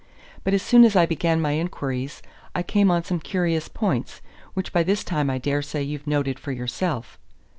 But as soon as I began my inquiries I came on some curious points, which by this time I dare say you've noted for yourself.